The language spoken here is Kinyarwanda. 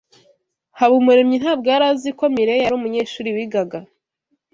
Habumuremyi ntabwo yari azi ko Mirelle yari umunyeshuri wigaga.